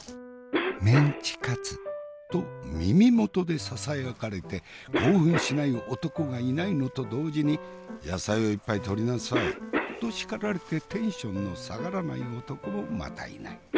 メンチカツと耳元でささやかれて興奮しない男がいないのと同時に野菜をいっぱいとりなさいと叱られてテンションの下がらない男もまたいない。